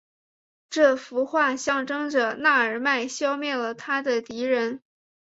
这幅画象征着那尔迈消灭了他的敌人。